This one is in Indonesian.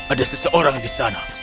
ada seseorang di sana